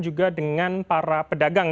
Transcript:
juga dengan para pedagang